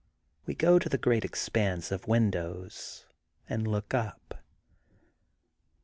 We go to the great expanse of win dows and look up.